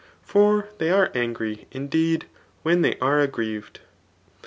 For they are angry, indeed, when they are aggrieved.